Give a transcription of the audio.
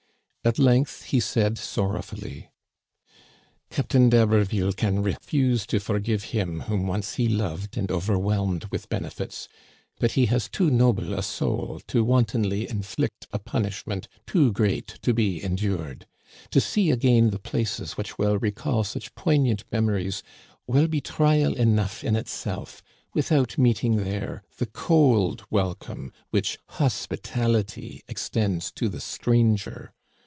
At length he said sor rowfully : "Captain d'Haberville can refuse to forgive him whom once he loved and overwhelmed with benefits, but he has too noble a soul to wantonly inflict a punishment too great to be endured. To see again the places which will recall such poignant memories will be trial enough in itself, without meeting there the cold welcome which hospitality extends to the stranger.